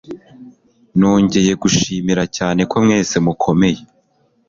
Nongeye gushimira cyane ko mwese mukomeye